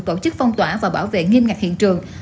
tổ chức phong tỏa và bảo vệ nghiêm ngặt hiện trường